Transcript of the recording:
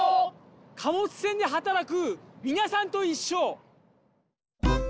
貨物船ではたらくみなさんといっしょ！